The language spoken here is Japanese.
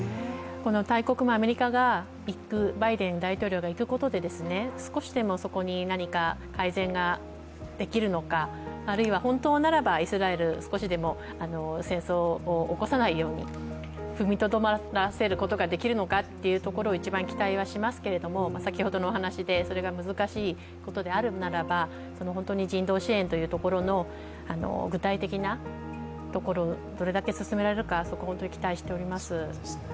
大国のアメリカのバイデン大統領が行くことでそこに少しでも何か改善ができるのかあるいは本当ならばイスラエル少しでも戦争を起こさないように踏みとどまらせることができるのかというところを一番期待はしますけれども、それが難しいことであるならば人道支援の具体的なところをどれだけ進められるかを期待しています。